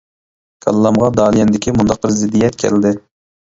كاللامغا داليەندىكى مۇنداق بىر زىددىيەت كەلدى.